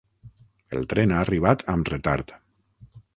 El tren ha arribat amb retard.